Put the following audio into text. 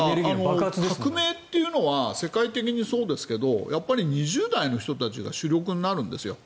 革命というのは世界的にそうですが２０代の人たちが主力になるんです。